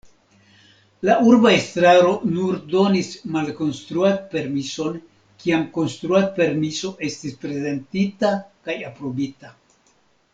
La urba estraro nur donis malkonstruad-permison kiam konstruad-permiso estis prezentita kaj aprobita.